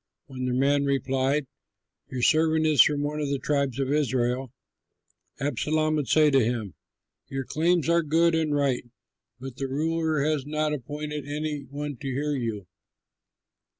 When the man replied, "Your servant is from one of the tribes of Israel," Absalom would say to him, "Your claims are good and right; but the ruler has not appointed any one to hear you.